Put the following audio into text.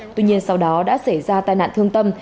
tuy nhiên sau đó đã xảy ra tai nạn thương tâm